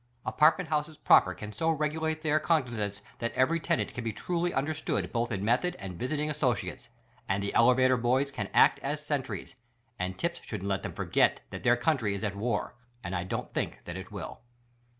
Apartment houses proper can so regulate their cognizance that every tenant cam be trul}^ understood both in method and visiting associates; and the elevator boys can act as sentries — and tips shouldn't let them forget that their country is at WAR; and I don't think that it will.